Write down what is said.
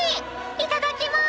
いただきまーす。